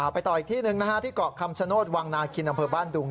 ไปต่ออีกที่หนึ่งนะฮะที่เกาะคำชโนธวังนาคินอำเภอบ้านดุง